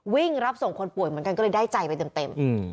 วิ่งรับส่งคนป่วยเหมือนกันก็เลยได้ใจไปเต็ม